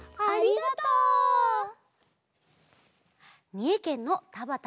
みえけんのたばた